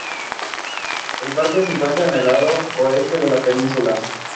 El parque se encuentra en el lado oeste de la península.